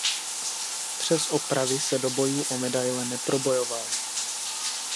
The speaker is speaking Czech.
Přes opravy se do bojů o medaile neprobojoval.